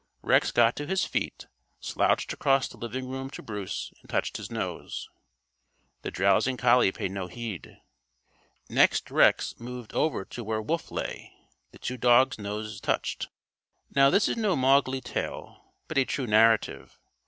Rex got to his feet, slouched across the living room to Bruce and touched his nose. The drowsing collie paid no heed. Next Rex moved over to where Wolf lay. The two dogs' noses touched. Now, this is no Mowgli tale, but a true narrative.